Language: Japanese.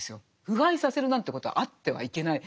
腐敗させるなんていうことはあってはいけない。